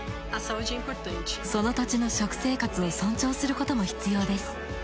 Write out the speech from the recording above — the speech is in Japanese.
その土地の食生活を尊重することも必要です。